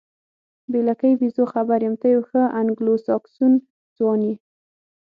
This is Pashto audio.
بې لکۍ بیزو، خبر یم، ته یو ښه انګلوساکسون ځوان یې.